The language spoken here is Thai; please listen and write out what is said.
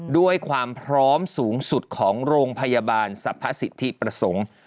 ด้วยความพร้อมสูงสุดของโรงพยาบาลสรรพสิทธิประสงค์